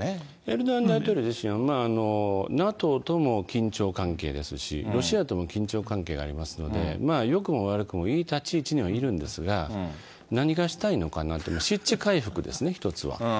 エルドアン大統領自身は、ＮＡＴＯとも緊張関係ですし、ロシアとも緊張関係がありますので、よくも悪くもいい立ち位置にはいるんですが、何がしたいのかなと、失地回復ですね、一つは。